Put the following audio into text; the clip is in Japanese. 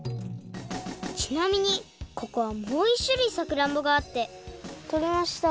ちなみにここはもういっしゅるいさくらんぼがあってとれました。